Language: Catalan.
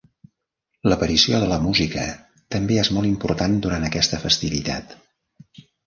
L'aparició de la música també és molt important durant aquesta festivitat.